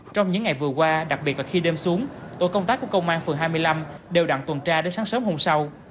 trong những ngày vừa qua đặc biệt là khi đêm xuống tổ công tác của công an phường hai mươi năm đều đặn tuần tra đến sáng sớm hôm sau